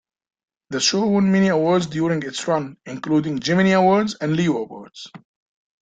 The show won many awards during its run, including Gemini Awards and Leo Awards.